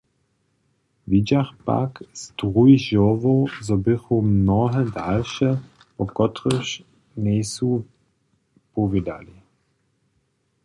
Wědźach pak z druhich žórłow, zo běchu mnohe dalše, wo kotrychž njejsu powědali.